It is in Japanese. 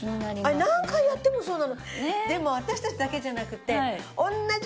あれ何回やってもそうなの。